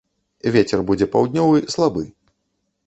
Вецер будзе паўднёвы, слабы.